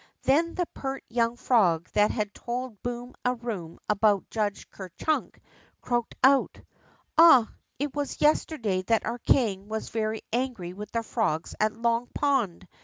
Then the pert young frog that had told Boom a Boom about Judge Ker Chunk croaked out: Ah, it was yesterday that our king was very angry with the frogs at Long Pond.